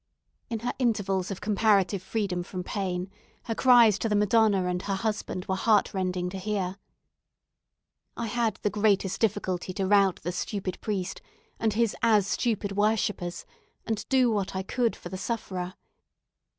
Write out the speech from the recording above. In her intervals of comparative freedom from pain, her cries to the Madonna and her husband were heartrending to hear. I had the greatest difficulty to rout the stupid priest and his as stupid worshippers, and do what I could for the sufferer.